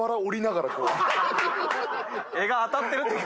柄が当たってる？